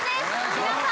皆さん。